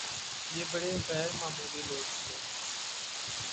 یہ بڑے غیرمعمولی لوگ تھے